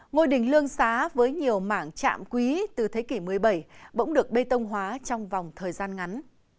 ngôi đình lương xá với nhiều mảng trạm quý từ thế kỷ một mươi bảy bỗng được bê tông hóa trong vòng thời gian ngắn